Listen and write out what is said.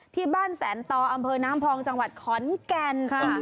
ที่บ้านแสนต่ออำเภอน้ำพองจังหวัดขอนแก่น